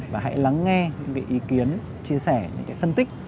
và hãy lắng nghe những cái ý kiến chia sẻ những phân tích